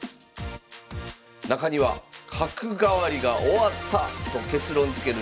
中には「角換わりが終わった」と結論づける将棋ソフトも。